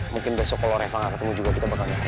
mungkin besok kalo reva gak ketemu juga kita bakal nyari